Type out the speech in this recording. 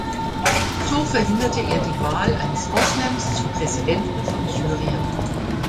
So verhinderte er die Wahl eines Moslems zum Präsidenten von Syrien.